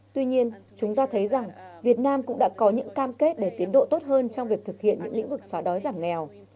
tuy nhiên chúng ta thấy rằng việt nam cũng đã có những cam kết để tiến độ tốt hơn trong việc thực hiện những lĩnh vực xóa đói giảm nghèo